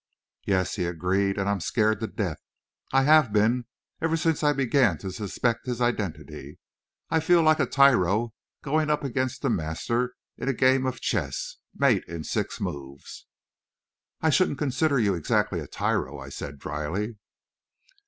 "Yes," he agreed, "and I'm scared to death I have been ever since I began to suspect his identity. I feel like a tyro going up against a master in a game of chess mate in six moves!" "I shouldn't consider you exactly a tyro," I said, drily.